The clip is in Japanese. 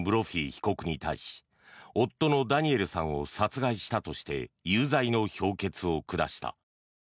被告に対し夫のダニエルさんを殺害したとして有罪の評決を下した。